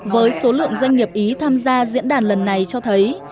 với số lượng doanh nghiệp ý tham gia diễn đàn lần này cho thấy